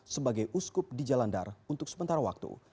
sebagai uskup di jalandar untuk sementara waktu